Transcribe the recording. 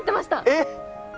えっ！